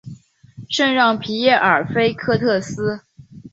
圣让皮耶尔菲克斯特。